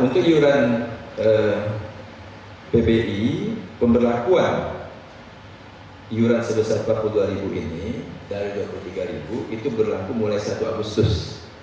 untuk iuran pbi pemberlakuan iuran sebesar rp empat puluh dua ini dari rp dua puluh tiga itu berlaku mulai satu agustus